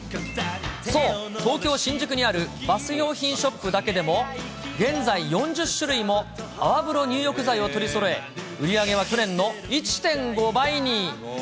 そう、東京・新宿にあるバス用品ショップだけでも、現在４０種類も泡風呂入浴剤を取りそろえ、売り上げは去年の１．５倍に。